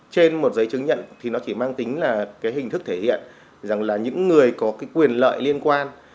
trên một giấy chứng nhận thì nó chỉ mang tính là cái hình thức thể hiện rằng là những người có cái quyền lợi liên quan